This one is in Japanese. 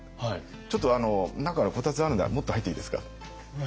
「ちょっと中にこたつあるのならもっと入っていいですか？」。